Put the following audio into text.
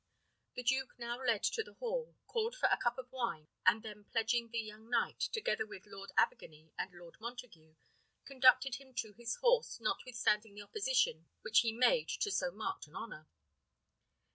The duke now led to the hall, called for a cup of wine, and then pledging the young knight, together with Lord Abergany and Lord Montague, conducted him to his horse, notwithstanding the opposition which he made to so marked an honour.